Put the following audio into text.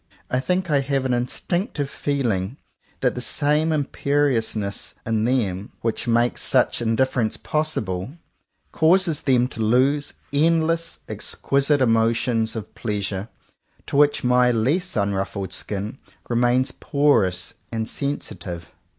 I think I have an in stinctive feeling that the same imperious ness in them, which makes such indifference possible, causes them to lose endless ex es CONFESSIONS OF TWO BROTHERS quisite emotions of pleasure to which my less unruffled skin remains porous and sensitive.